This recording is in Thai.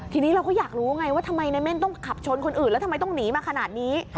ทีนี้เราก็อยากรู้ไงว่าทำไมในเม่นต้องขับชนคนอื่นแล้วทำไมต้องหนีมาขนาดนี้